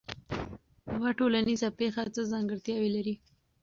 یوه ټولنیزه پېښه څه ځانګړتیاوې لري؟